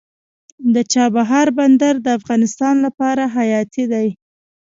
د چابهار بندر د افغانستان لپاره حیاتي دی